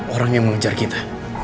orang yang mengejar kita